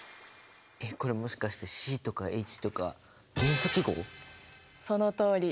えっこれもしかしてＣとかＨとかそのとおり！